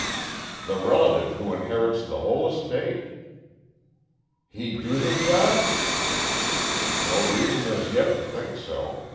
"The relative who inherits the whole estate." "He do the job?" "No reason as yet to think so.